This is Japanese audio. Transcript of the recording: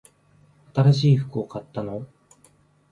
新しい服を買ったの？